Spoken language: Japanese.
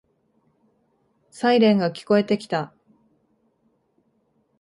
サイレンが聞こえてきた。